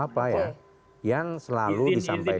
apa ya yang selalu disampaikan